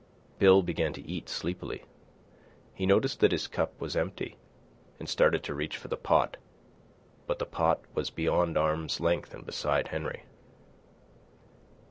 Bill began to eat sleepily. He noticed that his cup was empty and started to reach for the pot. But the pot was beyond arm's length and beside Henry.